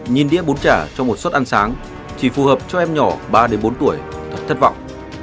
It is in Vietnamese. nhìn đĩa bún chả cho một suất ăn sáng chỉ phù hợp cho em nhỏ ba bốn tuổi thật thất vọng